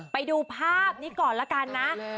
ไปดูภาพนี้ก่อนละกันนะ